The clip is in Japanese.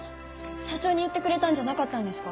社長に言ってくれたんじゃなかったんですか？